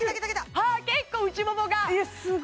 はあ結構内ももが！